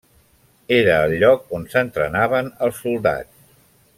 Era el lloc on s'entrenaven els soldats.